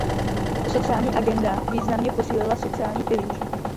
Sociální agenda významně posílila sociální pilíř.